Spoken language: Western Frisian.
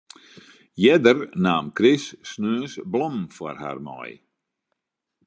Earder naam Chris sneons blommen foar har mei.